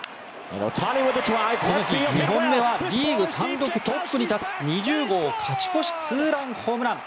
この日２本目はリーグ単独トップに立つ２０号勝ち越しツーランホームラン。